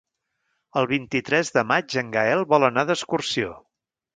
El vint-i-tres de maig en Gaël vol anar d'excursió.